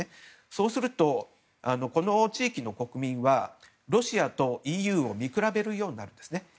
そうすると、この地域の国民はロシアとＥＵを見比べるようになるんですね。